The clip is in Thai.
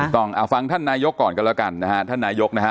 ต้องฟังท่านนายกก่อนกันแล้วกันนะฮะท่านนายกนะฮะ